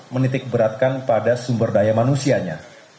menitik beratkan pada sumber daya manusianya